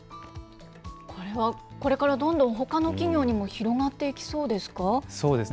これはこれからどんどんほかの企業にも広がっていきそうです